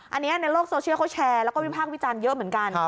อันนี้ในโลกโซเชียลเขาแชร์แล้วก็วิพากษ์วิจารณ์เยอะเหมือนกัน